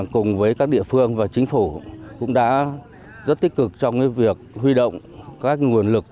cùng với các địa phương và chính phủ cũng đã rất tích cực trong việc huy động các nguồn lực